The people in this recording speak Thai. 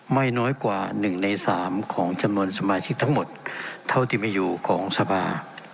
ไม่น้อยกว่า๑ใน๓ของจำนวนสมาชิกทั้งหมดเท่าที่มีอยู่ของสภา